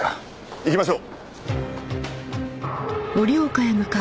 行きましょう。